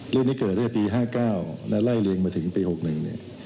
ที่เกิดตั้งแต่ปี๕๙และไล่เรียงมาถึงปี๖๑เนี่ย